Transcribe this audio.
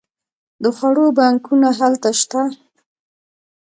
د خوړو بانکونه هلته شته.